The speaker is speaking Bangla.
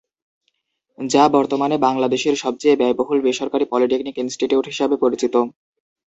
যা বর্তমানে বাংলাদেশের সবচেয়ে ব্যয়বহুল বেসরকারী পলিটেকনিক ইনস্টিটিউট হিসাবে পরিচিত।